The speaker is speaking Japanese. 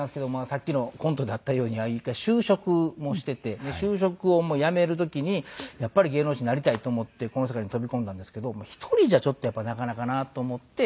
さっきのコントであったように１回就職もしてて就職をやめる時にやっぱり芸能人になりたいと思ってこの世界に飛び込んだんですけど１人じゃちょっとやっぱなかなかなと思って。